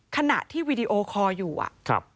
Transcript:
ขณะที่วีดีโอคอลอยู่อ่ะครับ